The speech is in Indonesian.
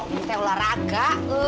kita yang olahraga